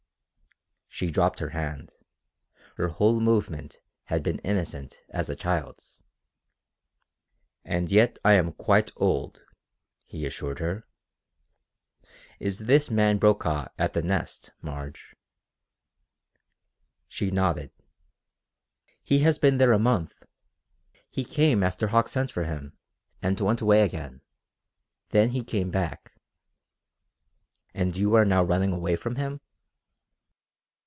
She dropped her hand. Her whole movement had been innocent as a child's. "And yet I am quite old," he assured her. "Is this man Brokaw at the Nest, Marge?" She nodded. "He has been there a month. He came after Hauck sent for him, and went away again. Then he came back." "And you are now running away from him?"